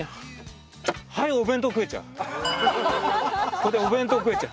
ここでお弁当食えちゃう。